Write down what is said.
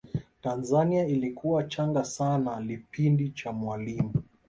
tanzania ilikuwa changa sana lipindi cha mwalimu